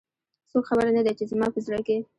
څوک خبر نه د ی، چې زما په زړه کې